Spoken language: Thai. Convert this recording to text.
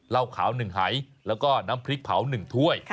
เหล้าขาว๑หายแล้วก็น้ำพริกเผา๑ถ้วย